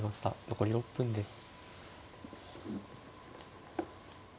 残り６分です。